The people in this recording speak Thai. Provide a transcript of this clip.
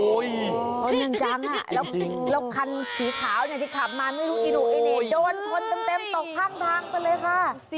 โอ้วเหนื่อยจังแล้วคันสีขาวที่ขับมามนุกอิโนโอ๋โดนคนเต็มตกทางก็เลยค่ะ